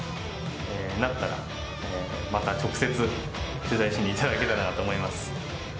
なったら、また直接、取材しに来ていただけたらなと思います。